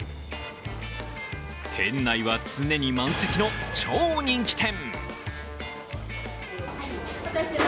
店内は常に満席の超人気店。